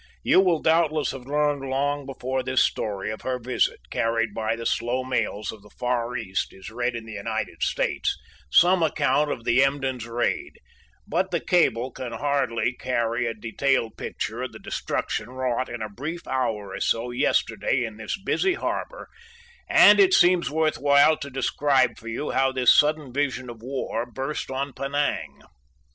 You will doubtless have learned long before this story of her visit, carried by the slow mails of the Far East, is read in the United States some account of the Emden's raid, but the cable can hardly carry a detailed picture of the destruction wrought in a brief hour or so yesterday in this busy harbor, and it seems worth while to describe for you how this sudden vision of war burst on Penang.